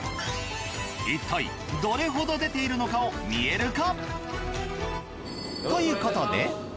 いったいどれほど出ているのかを見える化。